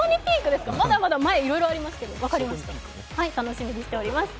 まだまだ前、いろいろありますよ、楽しみにしております。